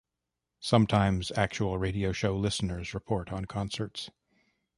Sometimes, actual radio show listeners report on concerts.